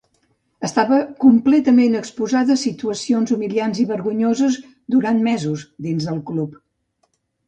Estava completament exposada a situacions humiliants i vergonyoses durant mesos dins el club.